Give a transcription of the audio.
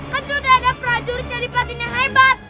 kan sudah ada prajurit kadipaten yang hebat